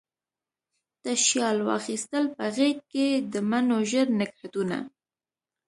تشیال واخیستل په غیږکې، د مڼو ژړ نګهتونه